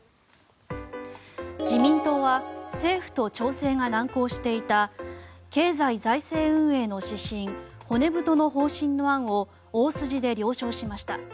自民党は政府と調整が難航していた経済財政運営の指針骨太の方針の案を大筋で了承しました。